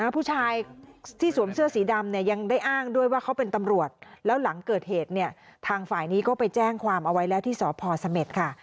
ผู้ชายที่สวมเสื้อสีดำเนี่ยยังได้อ้างด้วยว่าเขาเป็นตำรวจแล้วหลังเกิดเหตุเนี่ยทางฝ่ายนี้ก็ไปแจ้งความเอาไว้แล้วที่สพเสม็ดค่ะ